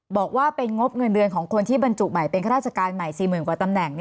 บอกว่าเป็นงบเงินเดือนของคนที่บรรจุใหม่เป็นข้าราชการใหม่๔๐๐๐กว่าตำแหน่ง